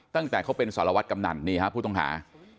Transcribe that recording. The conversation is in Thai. ตั้งแต่เขาเป็นสารวัตรกำนันนี่ฮะผู้ต้องหา